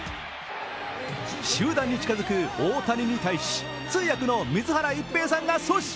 集団に近づく大谷に対し通訳の水原一平さんが阻止。